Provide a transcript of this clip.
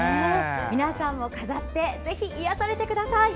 皆さんも飾ってぜひ癒やされてください。